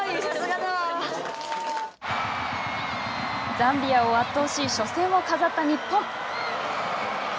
ザンビアを圧倒し初戦を飾った日本。